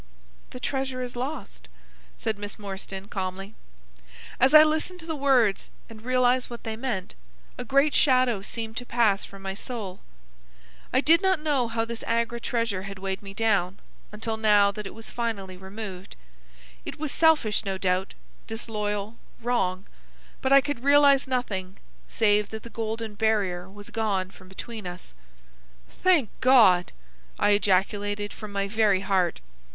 "The treasure is lost," said Miss Morstan, calmly. As I listened to the words and realised what they meant, a great shadow seemed to pass from my soul. I did not know how this Agra treasure had weighed me down, until now that it was finally removed. It was selfish, no doubt, disloyal, wrong, but I could realise nothing save that the golden barrier was gone from between us. "Thank God!" I ejaculated from my very heart.